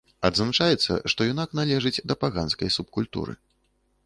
Адзначаецца, што юнак належыць да паганскай субкультуры.